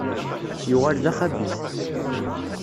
Yuɣal d axabit.